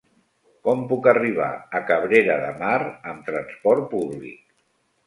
Com puc arribar a Cabrera de Mar amb trasport públic?